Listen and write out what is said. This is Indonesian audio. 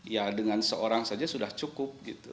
ya dengan seorang saja sudah cukup gitu